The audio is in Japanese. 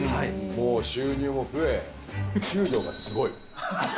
収入も増え、給料がすごい。